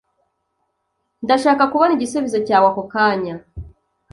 Ndashaka kubona igisubizo cyawe ako kanya.